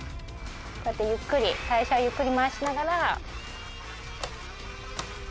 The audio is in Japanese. こうやってゆっくり最初はゆっくり回しながら。